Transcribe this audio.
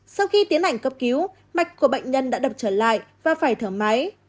sau khi tiến hành cấp cứu mạch của bệnh nhân đã đập trở lại và phải thở máy